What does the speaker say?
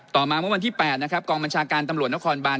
มาเมื่อวันที่๘นะครับกองบัญชาการตำรวจนครบาน